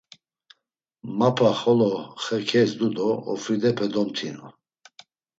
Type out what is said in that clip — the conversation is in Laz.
Mapa xolo xe kezdu do ofridepe domtinu.